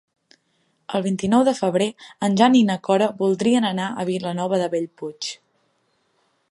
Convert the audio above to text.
El vint-i-nou de febrer en Jan i na Cora voldrien anar a Vilanova de Bellpuig.